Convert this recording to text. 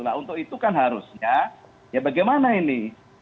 nah untuk itu kan harusnya ya bagaimana ini